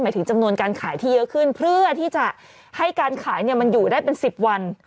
ถึงจำนวนการขายที่เยอะขึ้นเพื่อที่จะให้การขายเนี่ยมันอยู่ได้เป็น๑๐วัน